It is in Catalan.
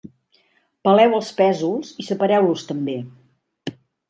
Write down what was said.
Peleu els pèsols i separeu-los també.